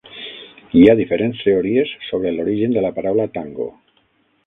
Hi ha diferents teories sobre l'origen de la paraula "tango".